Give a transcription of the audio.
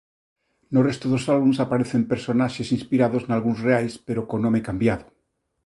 No resto dos álbums aparecen personaxes inspirados nalgúns reais pero co nome cambiado.